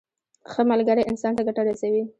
ښه ملګری انسان ته ګټه رسوي.